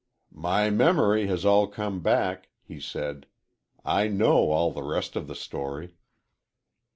"My memory has all come back," he said; "I know all the rest of the story."